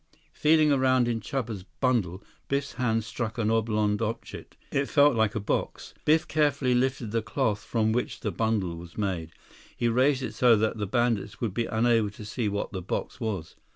Feeling around in Chuba's bundle, Biff's hand struck an oblong object. It felt like a box. Biff carefully lifted the cloth from which the bundle was made. He raised it so that the bandits would be unable to see what the box was.